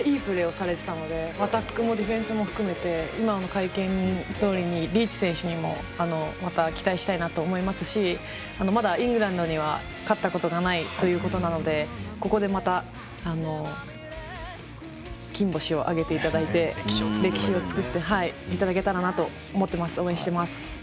前回リーチ選手がめちゃくちゃいいプレーをされていたのでアタックもディフェンスも含めて今の会見のようにリーチ選手にも期待したいと思いますのでまだイングランドには勝ったことがないということなのでここで、また金星を挙げていただいて歴史を作っていただければと思っています。